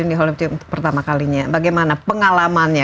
yang di hollywood pertama kalinya bagaimana pengalamannya